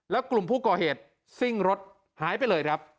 แล้วกลุ่มผู้ก่อเหตุซิ่งรถหายไปเลยครับ